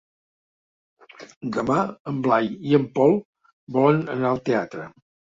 Demà en Blai i en Pol volen anar al teatre.